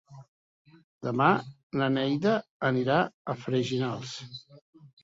Demà na Neida anirà a Freginals.